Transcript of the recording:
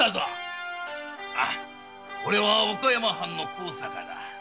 おれは岡山藩の江坂だ。